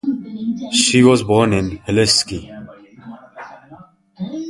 She was born in Helsinki.